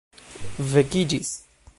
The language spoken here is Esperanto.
vekiĝis